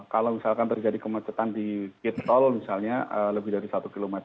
kalau misalkan terjadi kemacetan di gate tol misalnya lebih dari satu km